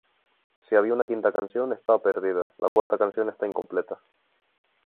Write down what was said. Si había una quinta canción, está perdida; la cuarta canción está incompleta.